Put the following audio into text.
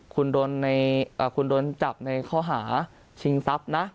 คุณโดนจับในข้อหาชิงทรัพย์นะ